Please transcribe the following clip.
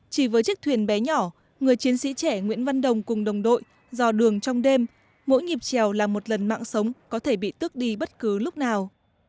chỉ với chiếc thuyền bé nhỏ người chiến sĩ trẻ nguyễn văn đồng cùng đồng đội dò đường trong đêm mỗi nhịp trèo là một lần mạng sống có thể bị tước đi bất cứ lúc nào